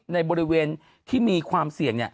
ในบริเวณที่มีความเสี่ยง